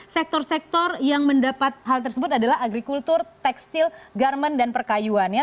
sektor sektor yang mendapat hal tersebut adalah agrikultur tekstil garmen dan perkayuannya